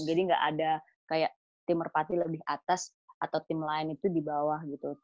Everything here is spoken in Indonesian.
jadi enggak ada kayak tim merpati lebih atas atau tim lain itu di bawah gitu